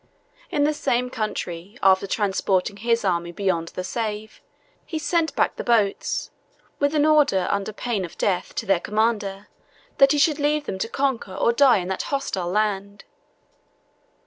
In the same country, after transporting his army beyond the Save, he sent back the boats, with an order under pain of death, to their commander, that he should leave him to conquer or die on that hostile land.